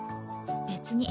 別に。